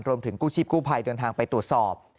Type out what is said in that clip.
กู้ชีพกู้ภัยเดินทางไปตรวจสอบ